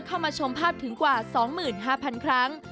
เข้ามาชมภาพถึงกว่า๒๕๐๐๐ครั้ง